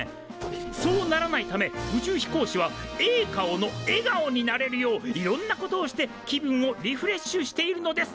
そうならないため宇宙飛行士はええ顔の笑顔になれるよういろんなことをして気分をリフレッシュしているのです！